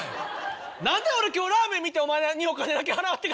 何で俺今日ラーメン見てお前にお金だけ払って帰らなあかんねん。